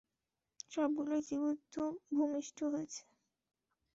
সবগুলোই জীবিত ভূমিষ্ট হয়েছে।